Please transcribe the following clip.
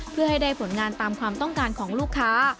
เพื่อให้ได้ผลงานตามความต้องการของลูกค้า